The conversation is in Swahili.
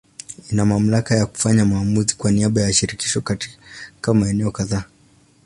Ina mamlaka ya kufanya maamuzi kwa niaba ya Shirikisho katika maeneo kadhaa.